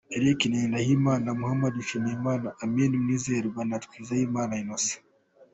Eric Ngendahimana, Muhamed Mushimiyimana, Amin Mwizerwa na Twagirimana Innocent.